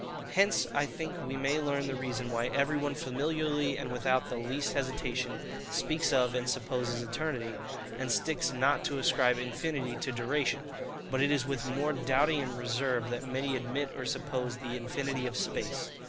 Hence I think we may learn the reason why every one familiarly and without the least hesitation speaks of and supposes Eternity, and sticks not to ascribe INFINITY to DURATION; but it is with more doubting and reserve that many admit or suppose the INFINITY OF SPACE.